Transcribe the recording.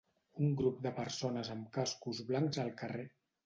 Un grup de persones amb cascos blancs al carrer.